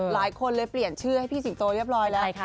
หลายคนเลยเปลี่ยนชื่อให้พี่สิงโตเรียบร้อยแล้ว